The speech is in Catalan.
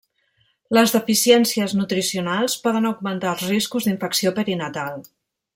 Les deficiències nutricionals poden augmentar els riscos d'infecció perinatal.